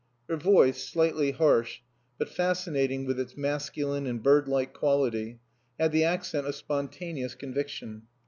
Her voice, slightly harsh, but fascinating with its masculine and bird like quality, had the accent of spontaneous conviction.